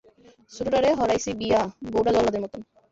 ছোডডারে হরাইছি বিয়া বউডা জল্লাদের মতোন।